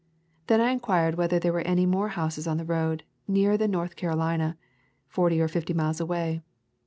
Then I inquired whether there were any more houses on the road, nearer than North Carolina, forty or fifty miles away.